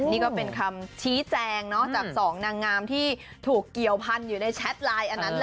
นี่ก็เป็นคำชี้แจงจากสองนางงามที่ถูกเกี่ยวพันธุ์อยู่ในแชทไลน์อันนั้นแหละ